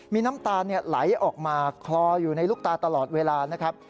มีน้ำตาลไหลออกมาคลออยู่ในลูกตาตลอดเวลานะครับ